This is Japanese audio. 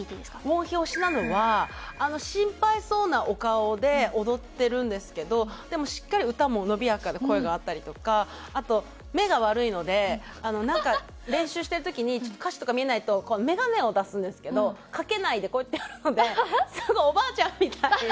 ウォンヒ推しなのはあの心配そうなお顔で踊ってるんですけどでもしっかり歌も伸びやかで声があったりとかあと目が悪いのでなんか練習してる時にちょっと歌詞とか見えないと眼鏡を出すんですけどかけないでこうやってやるのでそれがおばあちゃんみたいで。